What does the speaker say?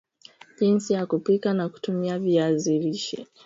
Jinsi ya kupika na kutumia viazi lishe